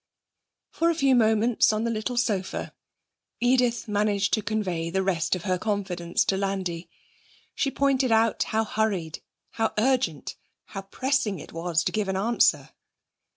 For a few moments on the little sofa Edith managed to convey the rest of her confidence to Landi. She pointed out how hurried, how urgent, how pressing it was to give an answer.